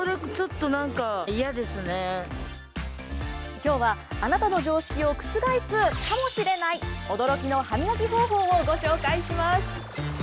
きょうは、あなたの常識を覆すかもしれない、驚きの歯磨き方法をご紹介します。